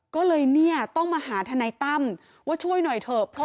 ก็เลยเนี่ยต้องมาหาทนายตั้มว่าช่วยหน่อยเถอะ